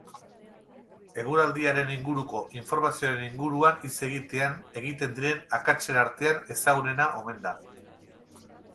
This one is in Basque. Eguraldiaren inguruko informazioaren inguruan hitz egitean egiten diren akatsen artean ezagunena omen da.